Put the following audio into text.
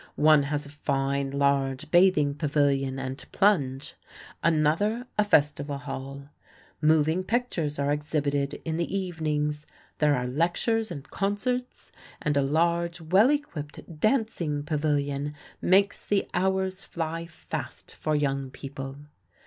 One has a fine, large bathing pavilion and plunge; another, a festival hall. Moving pictures are exhibited in the evenings; there are lectures and concerts; and a large, well equipped dancing pavilion makes the hours fly fast for young people.